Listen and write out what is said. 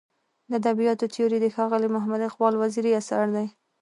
د ادبیاتو تیوري د ښاغلي محمد اقبال وزیري اثر دی.